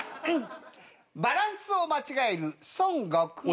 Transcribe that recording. バランスを間違える孫悟空。